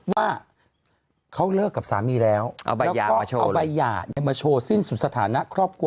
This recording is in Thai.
ว่าเขาเลิกกับสามีแล้วเอาใบหย่ามาโชว์สิ้นสุดสถานะครอบครัว